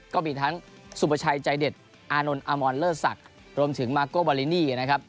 ก็มีทั้งสุประชัยใจเด็ดอานนท์อามอนเลิศศักดิ์รวมถึงมาโกบาลินีนะครับ